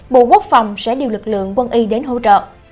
bộ quốc phòng sẽ điều lực lượng quân y đến hỗ trợ